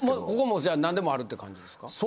ここはじゃあ何でもあるって感じなんですか。